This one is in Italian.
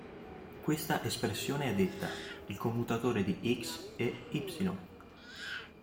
Questa espressione è detta il "commutatore" di "x" e "y".